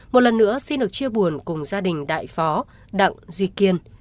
một lần nữa xin được chia buồn cùng gia đình đại phó đặng duy kiên